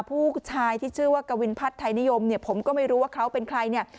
ผู้ชายที่ชื่อว่ากวินพัฒน์ไทยนิยมเนี่ยผมก็ไม่รู้ว่าเขาเป็นใครเนี่ย